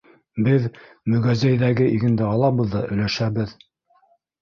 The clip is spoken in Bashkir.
Беҙ мөгәзәйҙәге игенде алабыҙ ҙа өләшәбеҙ.